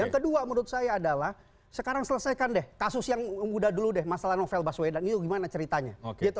yang kedua menurut saya adalah sekarang selesaikan deh kasus yang udah dulu deh masalah novel baswedan itu gimana ceritanya